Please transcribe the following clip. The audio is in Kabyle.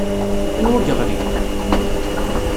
Anwa yeɣlin?